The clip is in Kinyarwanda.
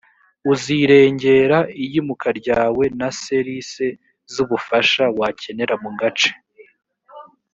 uzirengera iyimuka ryawe na ser ise z ubufasha wakenera mu gace